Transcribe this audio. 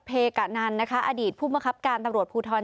เพกะนันนะคะอดีตผู้มังคับการตำรวจภูทร